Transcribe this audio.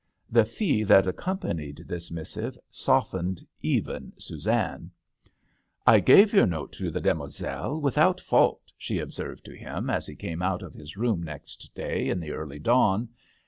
The fee that accompanied this missive softened even Suzanne. THE hAtel d'angleterre. 5X " I gave your note to the demoiselle without fault/' she observed to him as he came out of his room next day in the early dawn.